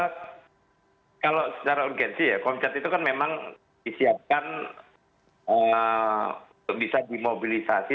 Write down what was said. kalau secara urgensi ya komcat itu kan memang disiapkan untuk bisa dimobilisasi